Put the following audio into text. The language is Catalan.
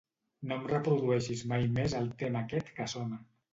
No em reprodueixis mai més el tema aquest que sona.